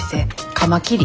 カマキリ。